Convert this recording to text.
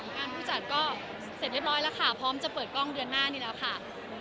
งานผู้จัดก็เสร็จเรียบร้อยแล้วค่ะพร้อมจะเปิดกล้องเดือนหน้านี้แล้วค่ะ